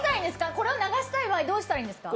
これを流したい場合どうしたらいいんですか？